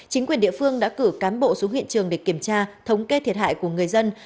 chính quyền địa phương đã cử cán bộ xuống hiện trường để kiểm tra thống kê thiệt hại của người dân